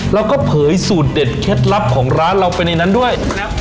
แล้วก็เผยสูตรเด็ดเคล็ดลับของร้านเราไปในนั้นด้วย